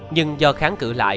nhưng do kháng cử